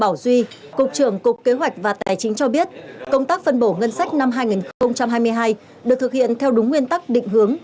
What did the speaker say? bảo duy cục trưởng cục kế hoạch và tài chính cho biết công tác phân bổ ngân sách năm hai nghìn hai mươi hai được thực hiện theo đúng nguyên tắc định hướng